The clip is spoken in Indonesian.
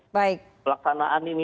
memadai pelaksanaan ini